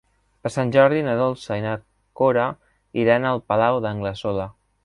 Per Sant Jordi na Dolça i na Cora iran al Palau d'Anglesola.